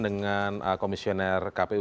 dengan komisioner kpu